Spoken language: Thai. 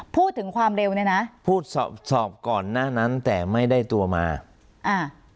พูดถึงความเร็วเนี้ยนะพูดสอบสอบก่อนหน้านั้นแต่ไม่ได้ตัวมาอ่า